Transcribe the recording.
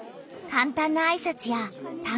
かんたんなあいさつやたん